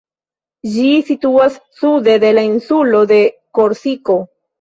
Ĝi situas sude de la insulo de Korsiko.